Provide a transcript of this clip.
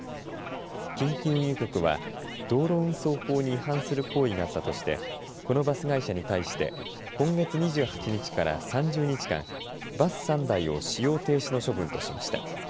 近畿運輸局は道路運送法に違反する行為があったとしてこのバス会社に対して今月２８日から３０日間バス３台を使用停止の処分としました。